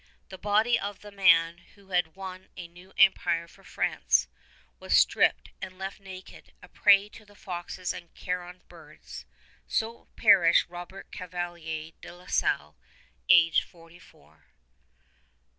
The body of the man who had won a new empire for France was stripped and left naked, a prey to the foxes and carrion birds. So perished Robert Cavelier de La Salle, aged forty four.